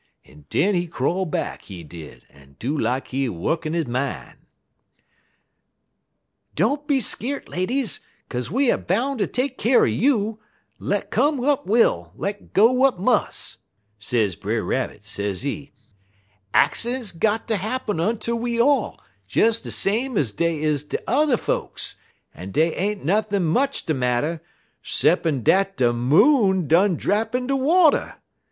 en den he crawl back, he did, en do lak he wukkin' he min'. "'Don't be skeert, ladies, kaze we er boun' ter take keer un you, let come w'at will, let go w'at mus',' sez Brer Rabbit, sezee. 'Accidents got ter happen unter we all, des same ez dey is unter yuther folks; en dey ain't nuthin' much de marter, 'ceppin' dat de Moon done drap in de water.